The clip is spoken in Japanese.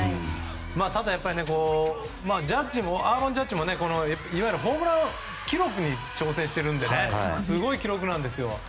ただ、やっぱりアーロン・ジャッジもいわゆるホームラン記録に挑戦しているのですごい記録なんですよ。